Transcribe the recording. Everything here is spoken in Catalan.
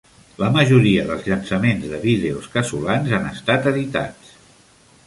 La majoria dels llançaments de vídeos casolans han estat editats.